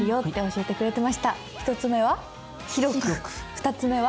２つ目は。